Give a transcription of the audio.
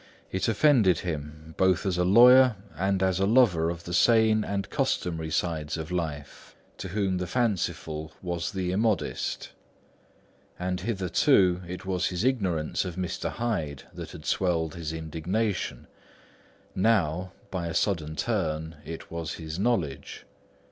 It offended him both as a lawyer and as a lover of the sane and customary sides of life, to whom the fanciful was the immodest. And hitherto it was his ignorance of Mr. Hyde that had swelled his indignation; now, by a sudden turn, it was his knowledge.